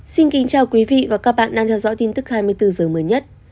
xin kính chào quý vị và các bạn đang theo dõi tin tức hai mươi bốn h mới nhất